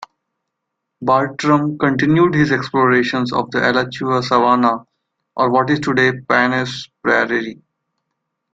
Bartram continued his explorations of the Alachua Savannah, or what is today Paynes Prairie.